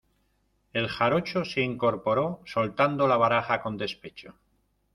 el jarocho se incorporó, soltando la baraja con despecho: